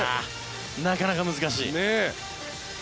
なかなか難しい。